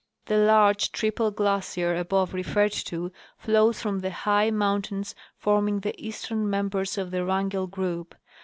The large trijjle glacier above referred to flows from the high mountains forming the eastern members of the Wrangell group.